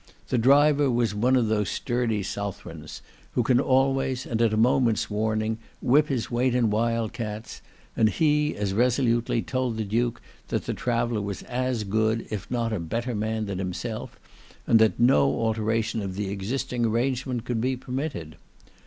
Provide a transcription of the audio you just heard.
The driver was one of those sturdy southrons, who can always, and at a moment's warning, whip his weight in wild cats: and he as resolutely told the Duke, that the traveller was as good, if not a better man, than himself; and that no alteration of the existing arrangement could be permitted.